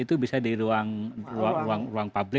itu bisa di ruang ruang publik juga ruang domestik